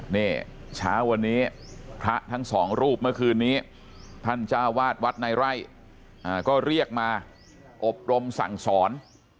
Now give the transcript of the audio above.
นี่เช้าวันนี้พระทั้งสองรูปเมื่อคืนนี้ท่านเจ้าวาดวัดในไร่ก็เรียกมาอบรมสั่งสอน